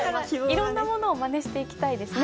いろんなものをまねしていきたいですね。